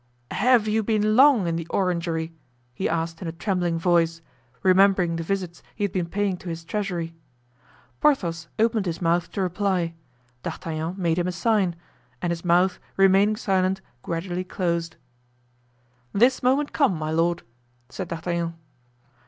"Have you been long in the orangery?" he asked in a trembling voice, remembering the visits he had been paying to his treasury. Porthos opened his mouth to reply; D'Artagnan made him a sign, and his mouth, remaining silent, gradually closed. "This moment come, my lord," said D'Artagnan.